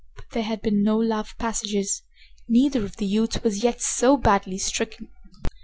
But there had been no love passages. Neither of the youths was yet so badly stricken.